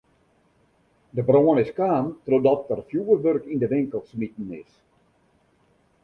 De brân is kaam trochdat der fjurwurk yn de winkel smiten is.